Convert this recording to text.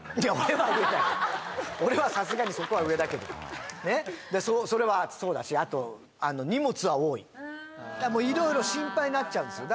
俺はさすがにそこは上だけどそれはそうだしあと色々心配になっちゃうんですよ